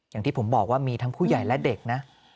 อย่างที่ผมบอกว่ามีทั้งผู้ใหญ่และเด็กนะ